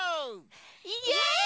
イエーイ！